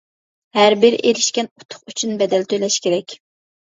ھەربىر ئېرىشكەن ئۇتۇق ئۈچۈن بەدەل تۆلەش كېرەك.